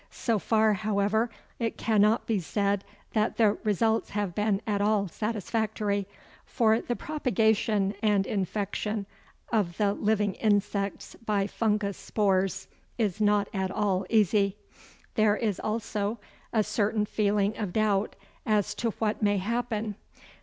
So far, however, it cannot be said that the results have been at all satisfactory, for the propagation and infection of the living insects by fungus spores is not at all easy. There is also a certain feeling of doubt as to what may happen.